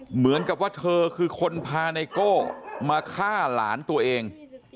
เหมือนกับว่าเธอคือคนพาไนโก้มาฆ่าหลานตัวเอง